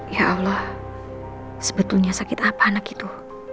ya allah sebetulnya sakit apa anak itu